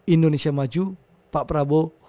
indonesia maju pak prabowo